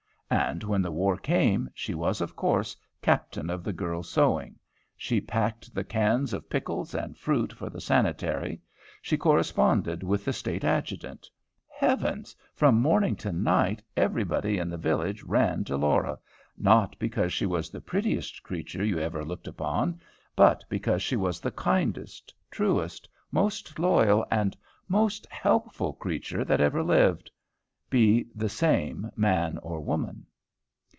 And, when the war came, she was of course captain of the girl's sewing, she packed the cans of pickles and fruit for the Sanitary, she corresponded with the State Adjutant: heavens! from morning to night, everybody in the village ran to Laura, not because she was the prettiest creature you ever looked upon, but because she was the kindest, truest, most loyal, and most helpful creature that ever lived, be the same man or woman.